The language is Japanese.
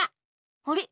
あれ？